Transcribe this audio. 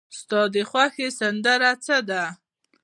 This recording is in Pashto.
ستا د خوښې سندره څه ده؟